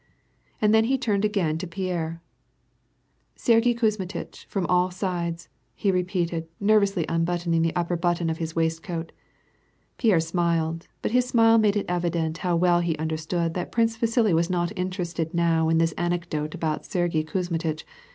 And then he turned again to Pierre: " Sergyei Kuzmitchy from all sidesy^ he repeated, ner vously unbuttoning the upper button of his waistcoat. Pierre smiled, but his smile made it evident how well he understood that Prince Vasili was not interested now in this anecdote about Sergyei Kuzmitch